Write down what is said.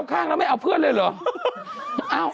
ข้างแล้วไม่เอาเพื่อนเลยเหรอ